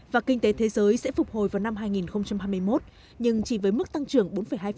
và kinh tế thế giới sẽ phục hồi vào năm hai nghìn hai mươi một nhưng chỉ với mức tăng trưởng bốn hai